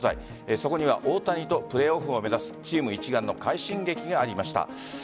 そこには大谷とプレーオフを目指すチーム一丸の快進撃がありました。